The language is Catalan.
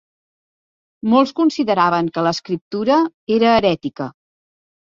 Molts consideraven que l'escriptura era herètica.